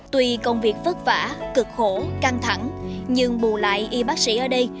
tuy công việc vất vả cực khổ căng thẳng nhưng bù lại y bác sĩ ở đây